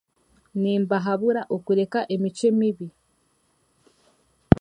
Nimbahabura okureka emicwe mibi